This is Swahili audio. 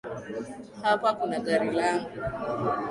Hapa kuna gari langu